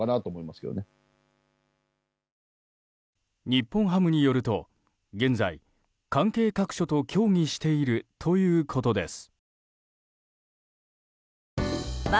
日本ハムによると現在、関係各所と協議しているということです。